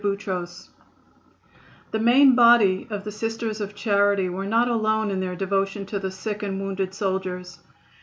The main body of the Sisters of Charity were not alone in their devotion to the sick and wounded soldiers.